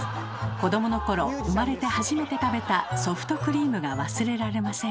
子供の頃生まれて初めて食べたソフトクリームが忘れられません。